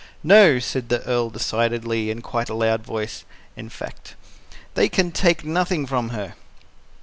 "NO!" said the Earl decidedly in quite a loud voice, in fact. "They can take nothing from her."